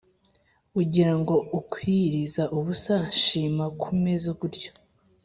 ugira ngo ukwiyiriza ubusa nshima kumeze gutyo?